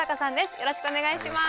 よろしくお願いします。